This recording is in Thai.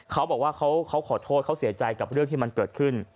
เขาบอกว่าเขาขอโทษเขาเสียใจกับเรื่องที่มันเกิดขึ้น